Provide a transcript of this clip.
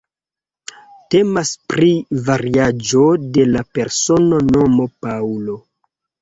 Temas pri variaĵo de la persona nomo "Paŭlo".